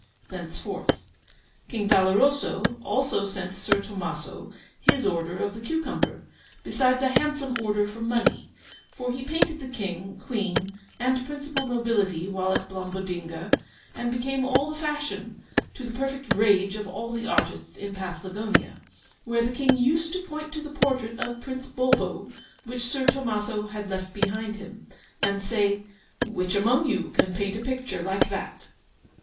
thenceforth. King Valoroso also sent Sir Tomaso his Order of the Cucumber, besides a handsome order for money; for he painted the King, Queen, and principal nobility while at Blombodinga, and became all the fashion, to the perfect rage of all the artists in Paflagonia, where the King used to point to the picture of Prince Bulbo, which Sir Tomaso had left behind him, and say, "Which among you can paint a picture like that?"